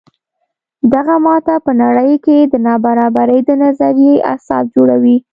دغه ماته په نړۍ کې د نابرابرۍ د نظریې اساس جوړوي.